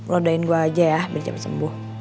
lo doain gue aja ya biar cepet sembuh